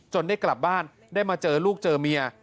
ได้กลับบ้านได้มาเจอลูกเจอเมีย